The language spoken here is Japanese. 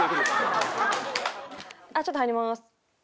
「ちょっと入ります」。